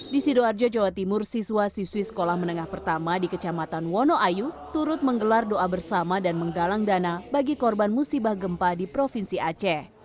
di sidoarjo jawa timur siswa siswi sekolah menengah pertama di kecamatan wonoayu turut menggelar doa bersama dan menggalang dana bagi korban musibah gempa di provinsi aceh